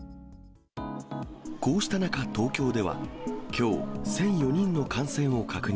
こうした中、東京ではきょう、１００４人の感染を確認。